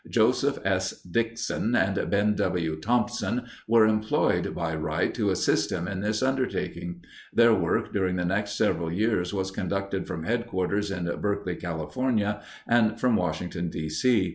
Joseph S. Dixon and Ben W. Thompson were employed by Wright to assist him in this undertaking. Their work during the next several years was conducted from headquarters in Berkeley, California, and from Washington, D. C.